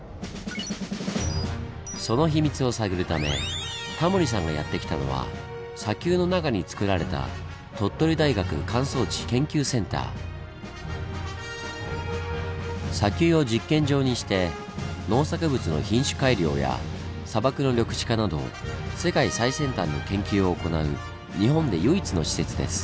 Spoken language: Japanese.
その秘密を探るためタモリさんがやって来たのは砂丘の中につくられた砂丘を実験場にして農作物の品種改良や砂漠の緑地化など世界最先端の研究を行う日本で唯一の施設です。